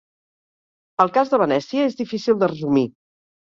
El cas de Venècia és difícil de resumir.